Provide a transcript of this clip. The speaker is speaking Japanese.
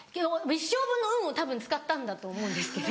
一生分の運をたぶん使ったんだと思うんですけど。